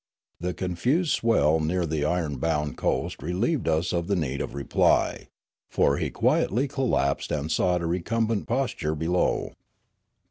The confused swell near the iron bound coast relieved us of the need of reply; for he quietly collapsed and sought a recumbent posture below.